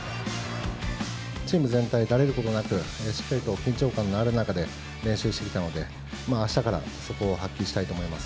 チーム全体、だれることなく、しっかりと緊張感のある中で練習してきたので、あしたからそこを発揮したいと思います。